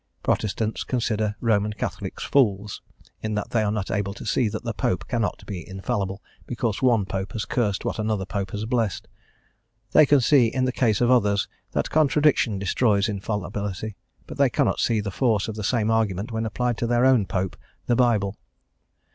Protestants consider Roman Catholics fools, in that they are not able to see that the Pope cannot be infallible, because one Pope has cursed what another Pope has blessed. They can see in the case of others that contradiction destroys infallibility, but they cannot see the force of the same argument when applied to their own pope, the Bible.